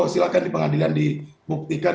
silahkan di pengadilan dibuktikan